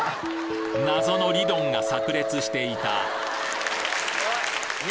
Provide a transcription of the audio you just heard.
謎の理論が炸裂していたすごい。